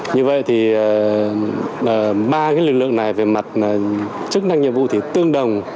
như vậy thì ba cái lực lượng này về mặt chức năng nhiệm vụ thì tương đồng